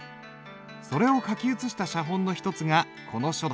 それを書き写した写本の一つがこの書だ。